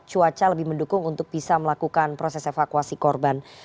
cuaca lebih mendukung untuk bisa melakukan proses evakuasi korban